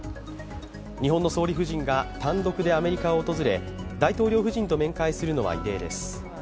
日本の総理夫人が単独でアメリカを訪れ、大統領夫人と面会するのは異例です。